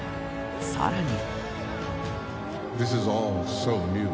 さらに。